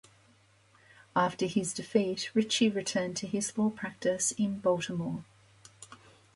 After his defeat, Ritchie returned to his law practice in Baltimore.